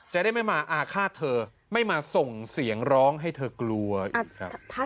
จะได้ไม่มาอาฆาตเธอไม่มาส่งเสียงร้องให้เธอกลัวอีกครับ